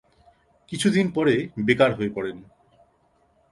কিছুদিন পরে বেকার হয়ে পড়েন।